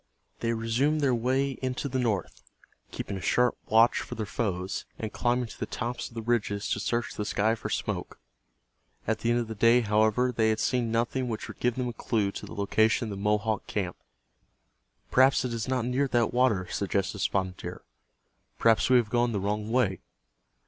They resumed their way into the north, keeping a sharp watch for their foes, and climbing to the tops of the ridges to search the sky for smoke. At the end of the day, however, they had seen nothing which would give them a clue to the location of the Mohawk camp. "Perhaps it is not near that water," suggested Spotted Deer. "Perhaps we have gone the wrong way."